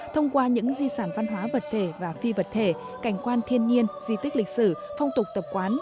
thông qua những di sản văn hóa vật thể và phi vật thể cảnh quan thiên nhiên di tích lịch sử phong tục tập quán